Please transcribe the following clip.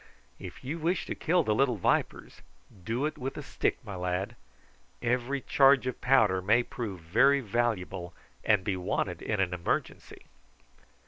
"If you wish to kill the little vipers do it with a stick, my lad. Every charge of powder may prove very valuable, and be wanted in an emergency."